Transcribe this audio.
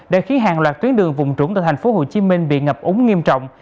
đã khiến hàng loạt tuyến đường vùng trũng từ tp hcm bị ngập úng nghiêm trọng